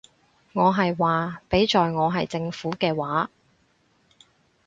我係話，畀在我係政府嘅話